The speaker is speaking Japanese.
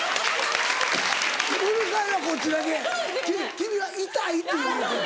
君は「イタい」って言われてるから。